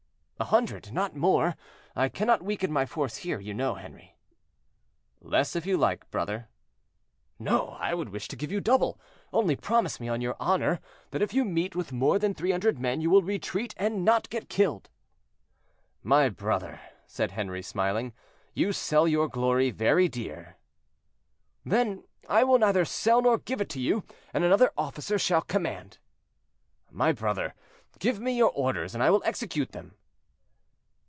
"A hundred; not more. I cannot weaken my force here, you know, Henri." "Less, if you like, brother." "No, I would wish to give you double. Only promise me, on your honor, that if you meet with more than three hundred men, you will retreat and not get killed." "My brother," said Henri, smiling, "you sell your glory very dear." "Then I will neither sell nor give it to you; and another officer shall command." "My brother, give your orders and I will execute them."